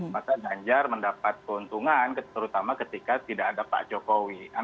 maka ganjar mendapat keuntungan terutama ketika tidak ada pak jokowi